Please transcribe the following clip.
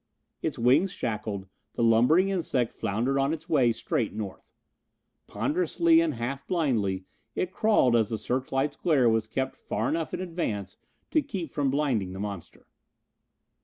Its wings shackled, the lumbering insect floundered on its way straight north. Ponderously and half blindly it crawled as the searchlights' glare was kept far enough in advance to keep from blinding the monster.